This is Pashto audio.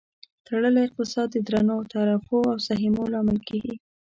تړلی اقتصاد د درنو تعرفو او سهمیو لامل کیږي.